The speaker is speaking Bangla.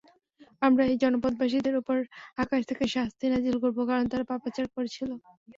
আমরা এই জনপদবাসীদের উপর আকাশ থেকে শাস্তি নাযিল করব, কারণ তারা পাপাচার করেছিল।